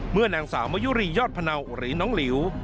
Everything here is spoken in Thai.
เมื่อนางสาวมะยุรียอดพะเนาหรือน้องหลิว